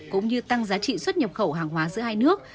cũng như tăng giá trị xuất nhập khẩu hàng hóa giữa hai nước